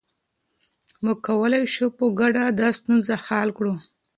موږ کولای شو په ګډه دا ستونزه حل کړو.